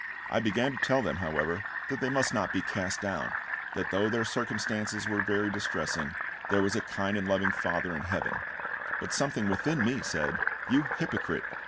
I began to tell them, however, that they must not be cast down, that though their circumstances were very distressing, there was a kind and loving FATHER in heaven; but something within me said, "You hypocrite!